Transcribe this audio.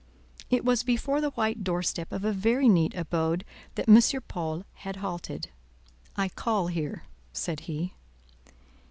It was before the white door step of a very neat abode that M. Paul had halted. "I call here," said he.